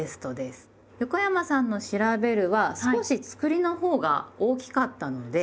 横山さんの「『調』べる」は少しつくりのほうが大きかったので。